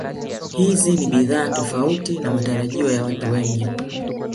Hizi ni bidhaa tofauti na matarajio ya watu wengi